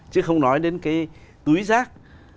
chứ không nói đến cái túi rác